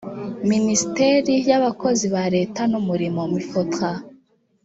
minisiteri y abakozi ba leta n umurimo mifotra